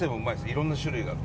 いろんな種類がある。